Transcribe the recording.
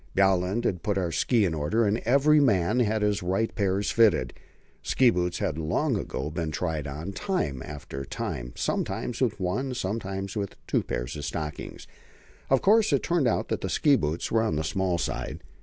Bjaaland had put our ski in order, and every man had had his right pairs fitted. Ski boots had long ago been tried on, time after time, sometimes with one, sometimes with two pairs of stockings. Of course it turned out that the ski boots were on the small side.